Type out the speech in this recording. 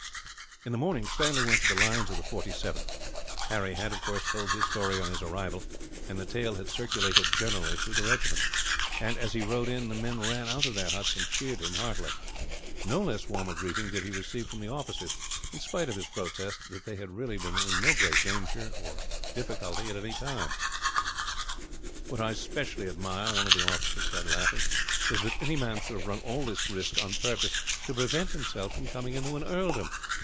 In the morning, Stanley went to the lines of the 47th. Harry had, of course, told his story on his arrival; and the tale had circulated generally through the regiment and, as he rode in, the men ran out from their huts and cheered him heartily. No less warm a greeting did he receive from the officers, in spite of his protest that there had really been no great difficulty or danger in the affair. "What I specially admire," one of the officers said, laughing, "is that any man should have run all this risk, on purpose, to prevent himself from coming into an earldom.